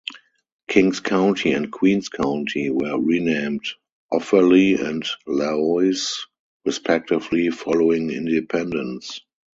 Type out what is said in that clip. King's County and Queen's County were renamed Offaly and Laois respectively following independence.